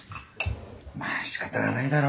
まっ仕方がないだろ。